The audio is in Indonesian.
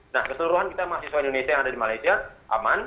nah keseluruhan kita mahasiswa indonesia yang ada di malaysia aman